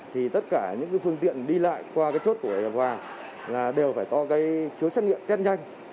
thì tất cả những cái phương tiện đi lại qua cái chốt của hiệp hòa là đều phải có cái khiếu xét nghiệm tét nhanh